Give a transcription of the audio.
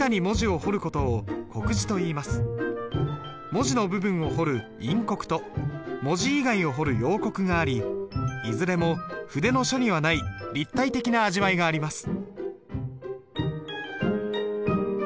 文字の部分を彫る陰刻と文字以外を彫る陽刻がありいずれも筆の書にはない立体的な味わいがあります。